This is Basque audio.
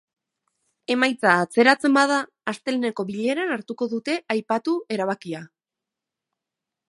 Emaitza atzeratzen bada, asteleheneko bileran hartuko dute aipatu erabakia.